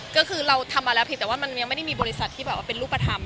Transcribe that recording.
ก็คือเราทำมาแล้วแต่ว่ามันยังไม่ได้มีบริษัทที่เป็นรูปมาทำ